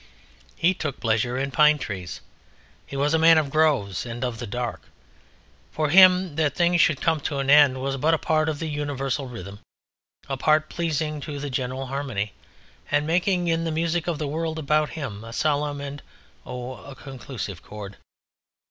He took pleasure in pine trees; he was a man of groves and of the dark. For him that things should come to an end was but part of an universal rhythm; a part pleasing to the general harmony, and making in the music of the world about him a solemn and, oh, a conclusive chord.